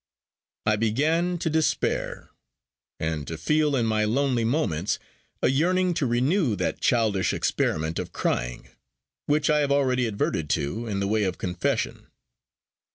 I began to despair, and to feel in my lonely moments a yearning to renew that childish experiment of crying, which I have already adverted to, in the way of confession.